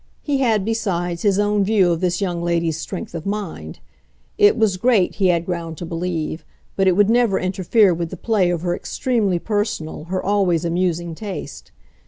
He had, besides, his own view of this young lady's strength of mind. It was great, he had ground to believe, but it would never interfere with the play of her extremely personal, her always amusing taste.